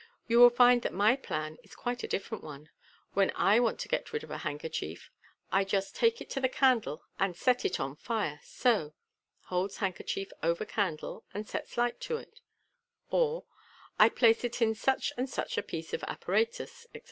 You will find that my plan is quite a different one. When I want to get rid of a handkerchief, I just take it to the candle, and set it on fire, so " (holds handkerchief over candle, and sets light to it) 5 or, " I place it in such and such a piece of apparatus," etc.